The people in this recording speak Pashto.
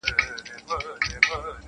ادبي مجلسونه دا کيسه يادوي تل-